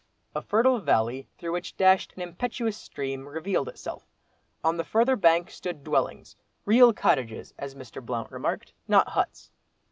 A fertile valley through which dashed an impetuous stream revealed itself. On the further bank stood dwellings, "real cottages," as Mr. Blount remarked, "not huts."